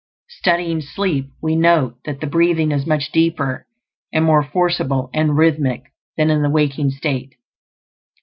Studying sleep, we note that the breathing is much deeper, and more forcible and rhythmic than in the waking state.